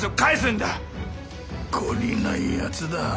懲りないやつだ。